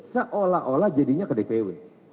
seolah olah jadinya ke dpw